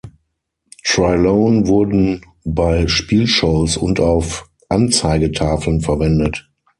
Trilone wurden bei Spielshows und auf Anzeigetafeln verwendet.